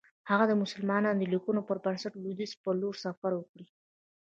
هغه د مسلمانانو د لیکنو پر بنسټ لویدیځ پر لور سفر وکړ.